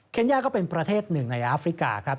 ย่าก็เป็นประเทศหนึ่งในอาฟริกาครับ